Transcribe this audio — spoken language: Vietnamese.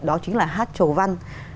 đó chính là hát trầu văn